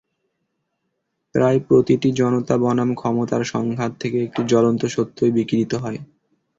প্রায় প্রতিটি জনতা বনাম ক্ষমতার সংঘাত থেকে একটি জ্বলন্ত সত্যই বিকিরিত হয়।